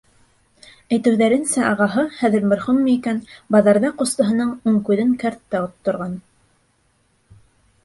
Әйтеүҙәренсә, ағаһы, хәҙер мәрхүмме икән, баҙарҙа ҡустыһының уң күҙен кәрттә отторған.